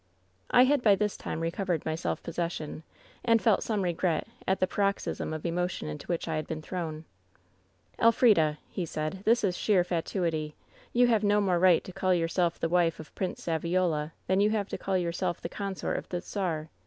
"I had by this time recovered my self possession, and felt some regret at the paroxysm of emotion into which I had been thrown. " ^Elfrida,' he said, ^this is sheer fatuity. You have no more right to call yourself the wife of Prince Saviola than you have to call yourself the consort of the czar.